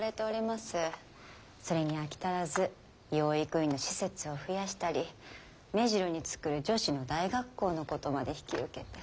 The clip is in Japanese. それに飽き足らず養育院の施設を増やしたり目白に作る女子の大学校のことまで引き受けて。